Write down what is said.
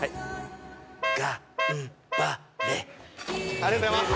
ありがとうございます。